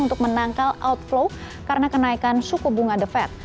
untuk menangkal outflow karena kenaikan suku bunga the fed